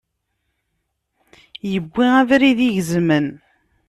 Yewwi abrid igezmen.